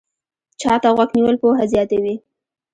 چا ته غوږ نیول پوهه زیاتوي